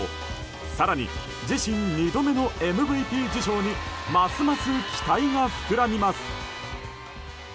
更に、自身２度目のＭＶＰ受賞にますます期待が膨らみます。